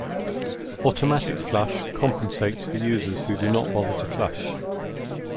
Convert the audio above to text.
Automatic flush compensates for users who do not bother to flush.